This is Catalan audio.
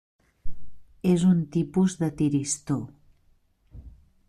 És un tipus de tiristor.